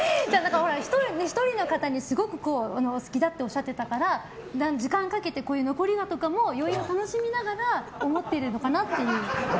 ほら、１人の方をすごくお好きだっておっしゃってたから時間をかけて残り香とかも余韻を楽しみながら思ってるのかなっていう。